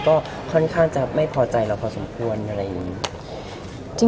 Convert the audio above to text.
ก็ค่อนข้างจะไม่พอใจเราพอสมควร